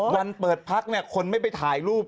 วันเปิดพักเนี่ยคนไม่ไปถ่ายรูป